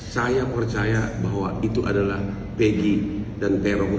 saya percaya bahwa itu adalah pegi dan terong